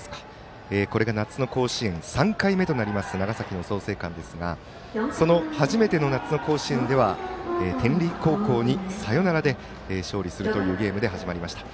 夏の甲子園３回目となる長崎の創成館ですがその初めての夏の甲子園では天理高校にサヨナラで勝利するというゲームで始まりました。